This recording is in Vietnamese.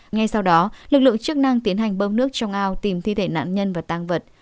ngay sau đó lực lượng chức năng tiến hành bơm nước trong ao tìm thi thể nạn nhân và tăng vật